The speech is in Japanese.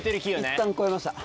いったん超えました。